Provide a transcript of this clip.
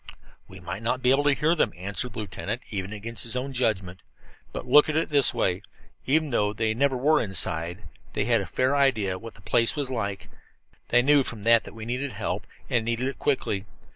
"We might not be able to hear them," answered the lieutenant, even against his own judgment. "But look at it this way. Even though they never were inside here, they had a fair idea of what the place was like. They knew from that that we needed help, and needed it quickly.